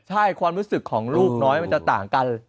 ใช่ความรู้สึกของลูกน้อยมันจะต่างกัน